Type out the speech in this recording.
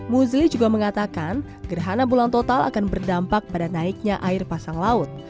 muzli juga mengatakan gerhana bulan total akan berdampak pada naiknya air pasang laut